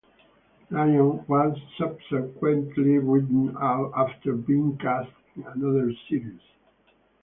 Lyons was subsequently written out after being cast in another series.